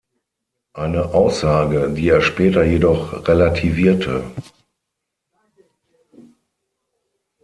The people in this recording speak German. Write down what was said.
Eine Aussage, die er später jedoch relativierte.